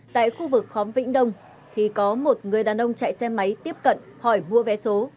tại khu vực khóm vĩnh đông thì có một người đàn ông chạy xe máy tiếp cận hỏi mua vé số